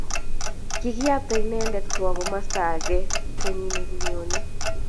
kikiyapta inendet kowo komasta age kenyin nekonye